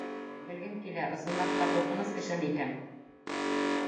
Белгем килә: ысынлап та, ҡурҡыныс кешеме икән?